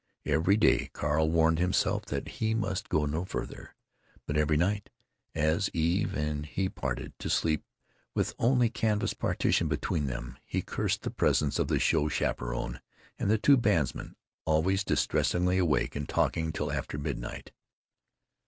Every day Carl warned himself that he must go no farther, but every night as Eve and he parted, to sleep with only a canvas partition between them, he cursed the presence of the show chaperon, and of the two bandsmen, always distressingly awake and talking till after midnight.